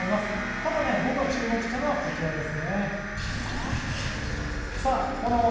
ただ僕が注目したのは、こちらです。